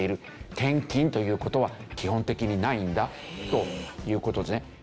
転勤という事は基本的にないんだという事ですね。